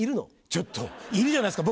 ちょっといるじゃないですか！